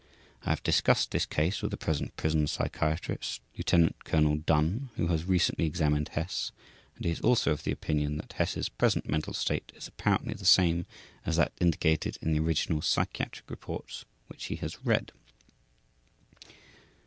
I have discussed this case with the present prison psychiatrist, Lt. Col. Dunn, who has recently examined Hess, and he is also of the opinion that Hess's present mental state is apparently the same as that indicated in the original psychiatric reports, which he has read.